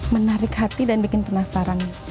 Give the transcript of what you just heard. menarik hati dan bikin penasaran